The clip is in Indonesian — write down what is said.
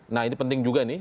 nah ini penting juga nih